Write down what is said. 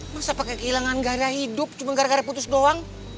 masa pakai kehilangan gaya hidup cuma gara gara putus doang